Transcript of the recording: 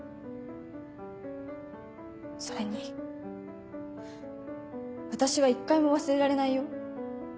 それに私は一回も忘れられないよ。